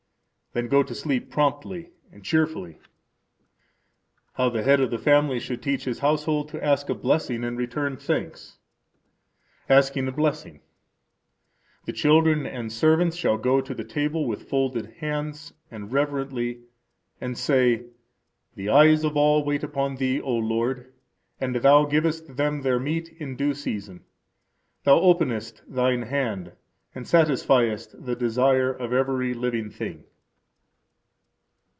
Then go to sleep promptly and cheerfully. How the Head of the Family Should Teach His Household to Ask a Blessing and Return Thanks. Asking a Blessing The children and servants shall go to the table with folded hands and reverently, and say: The eyes of all wait upon Thee, O Lord; and Thou givest them their meat in due season; Thou openest Thine hand, and satisfiest the desire of every living thing.